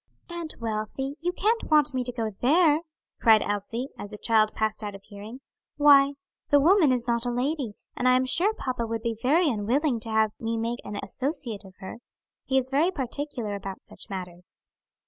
"Aunt Wealthy, you can't want me to go there!" cried Elsie, as the child passed out of hearing. "Why, the woman is not a lady, and I am sure papa would be very unwilling to have me make an associate of her. He is very particular about such matters."